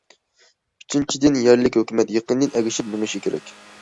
ئۈچىنچىدىن، يەرلىك ھۆكۈمەت يېقىندىن ئەگىشىپ مېڭىشى كېرەك.